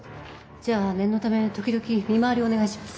じゃあ念のため時々見回りお願いします。